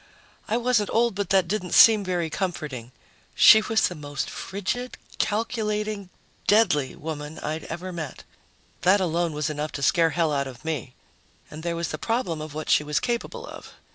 I wasn't old, but that didn't seem very comforting. She was the most frigid, calculating, deadly woman I'd ever met. That alone was enough to scare hell out of me. And there was the problem of what she was capable of.